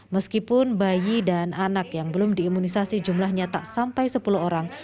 meskipun bayi dan anak yang belum diimunisasi jumlahnya tak sampai sepuluh orang